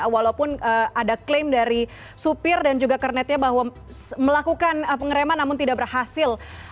walaupun ada klaim dari supir dan juga kernetnya bahwa melakukan pengereman namun tidak berhasil